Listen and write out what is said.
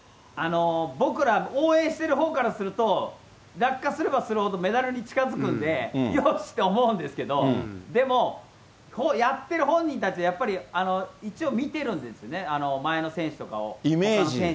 僕ら、応援してるほうからすると、落下すればするほどメダルに近づくんで、よしって思うんですけど、でも、やってる本人たちは、やっぱり一応見てるんですよね、前の選手とかを。イメージ。